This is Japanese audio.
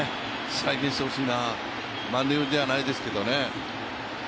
再現してほしいな、満塁ではないですけどね。